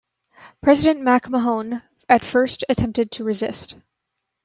President MacMahon at first attempted to resist.